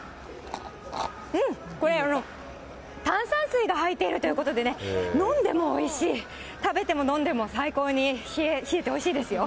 うん、これ、炭酸水が入っているということでね、飲んでもおいしい、食べても飲んでも最高に冷えておいしいですよ。